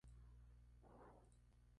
Hay un espectáculo de fuegos artificiales.